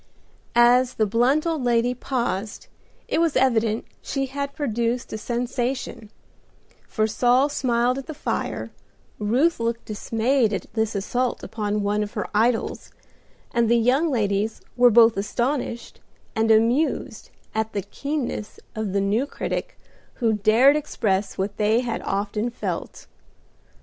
As the blunt old lady paused it was evident she had produced a sensation, for Saul smiled at the fire, Ruth looked dismayed at this assault upon one of her idols, and the young ladies were both astonished and amused at the keenness of the new critic who dared express what they had often felt.